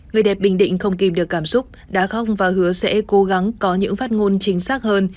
người đẹp bình định không kìm được cảm xúc đã không và hứa sẽ cố gắng có những phát ngôn chính xác hơn